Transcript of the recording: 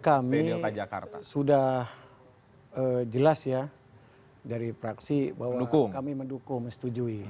kalau dari kami sudah jelas ya dari fraksi bahwa kami mendukung setujui